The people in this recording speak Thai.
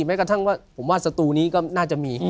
แม้กระทั่งว่าผมว่าสตูนี้ก็น่าจะมี